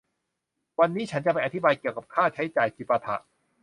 วันนี้ฉันจะไปอธิบายเกี่ยวกับค่าใช้จ่ายจิปาถะ